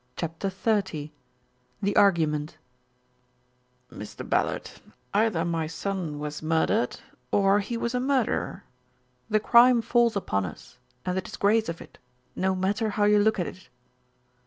CHAPTER XXX THE ARGUMENT "Mr. Ballard, either my son was murdered, or he was a murderer. The crime falls upon us, and the disgrace of it, no matter how you look at it."